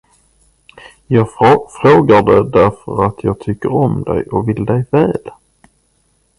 Jag frågar det, därför att jag tycker om dig och vill dig väl.